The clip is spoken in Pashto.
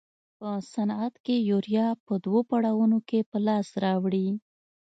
په صنعت کې یوریا په دوو پړاوونو کې په لاس راوړي.